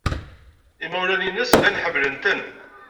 Imawlan-nnes llan ḥemmlen-ten.